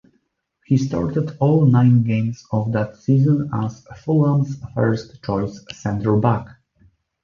He started all nine games of that season as Fulham's first choice centre back.